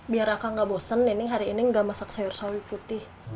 biar aku gak bosen nenek hari ini gak masak sayur sayur putih